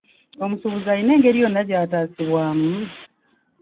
Omusuubuzi alina engeri yonna gy'ataasibwamu?